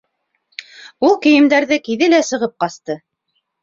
Ул кейемдәрҙе кейҙе лә сығып ҡасты.